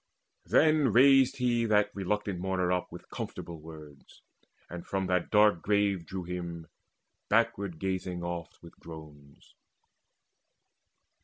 Then raised he that reluctant mourner up With comfortable words. From that dark grave He drew him, backward gazing oft with groans.